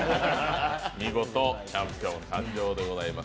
見事、チャンピオン誕生でございます。